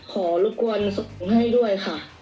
รบกวนส่งให้ด้วยค่ะ